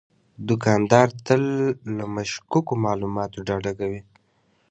دوکاندار تل له مشکوکو معاملاتو ډډه کوي.